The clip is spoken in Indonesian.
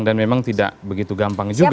dan memang tidak begitu gampang juga